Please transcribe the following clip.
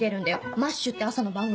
『マッシュ』って朝の番組。